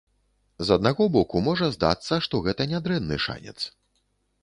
З аднаго боку, можа здацца, што гэта нядрэнны шанец.